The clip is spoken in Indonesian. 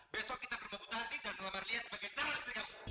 besok kita ke rumah buta hati dan melamar lia sebagai calon istri kamu